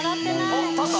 おっ立った！）